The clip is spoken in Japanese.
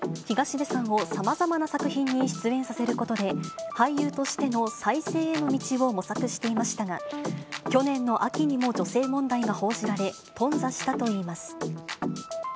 東出さんをさまざまな作品に出演させることで、俳優としての再生への道を模索していましたが、去年の秋にも女性問題が報じられ、頓挫したといいます。